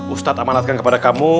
ustad amanatkan kepada kamu